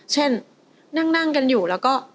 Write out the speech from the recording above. เช่นนั่งกันอยู่แล้วก็